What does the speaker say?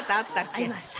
ありました。